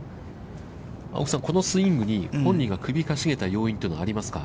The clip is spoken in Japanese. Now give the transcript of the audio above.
青木さん、このスイングに本人が首をかしげた要因というのはありますか。